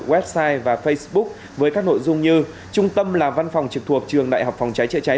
website và facebook với các nội dung như trung tâm là văn phòng trực thuộc trường đại học phòng cháy chữa cháy